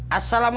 jangan lupa ya